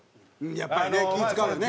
やっぱりね気ぃ使うよね。